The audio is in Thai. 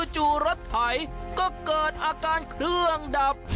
จู่รถไถก็เกิดอาการเครื่องดับ